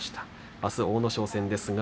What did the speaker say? あすは阿武咲戦です。